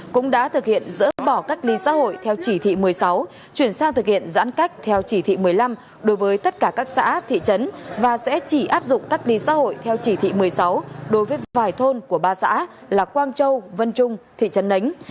cũng đã thực hiện dỡ bỏ cách ly xã hội theo chỉ thị một mươi sáu chuyển sang thực hiện giãn cách theo chỉ thị một mươi năm đối với tất cả các xã thị trấn và sẽ chỉ áp dụng cách ly xã hội theo chỉ thị một mươi sáu đối với vài thôn của ba xã là quang châu vân trung thị trấn nánh